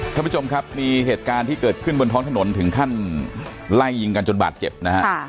ท่านผู้ชมครับมีเหตุการณ์ที่เกิดขึ้นบนท้องถนนถึงขั้นไล่ยิงกันจนบาดเจ็บนะฮะ